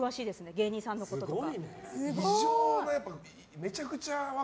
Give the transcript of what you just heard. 芸人さんのこととか。